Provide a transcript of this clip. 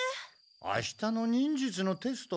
あしたの忍術のテスト？